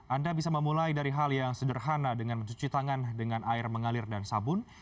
anda bisa memulai dari hal yang sederhana dengan mencuci tangan dengan air mengalir dan sabun